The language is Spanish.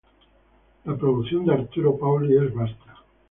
La producción de Arturo Paoli es vasta.